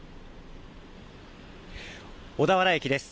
小田原駅です。